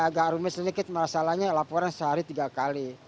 agak rumit sedikit masalahnya laporan sehari tiga kali